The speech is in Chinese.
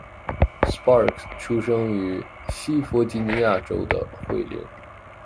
Sparks 出生于西弗吉尼亚州的惠灵。